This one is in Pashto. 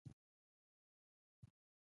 چپتیا، د عزت لاره ده.